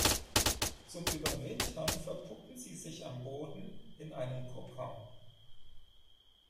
Zum Überwintern verpuppen sie sich am Boden in einem Kokon.